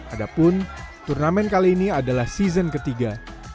adapun turnamen kali ini adalah season ketiga